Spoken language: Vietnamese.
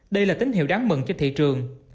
đây là tín hiệu đáng mừng cho thị trường